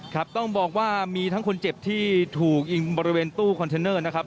ครับต้องบอกว่ามีทั้งคนเจ็บที่ถูกยิงบริเวณตู้คอนเทนเนอร์นะครับ